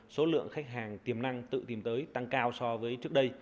số lượng khách hàng tiềm năng tự tìm tới tăng cao so với trước đây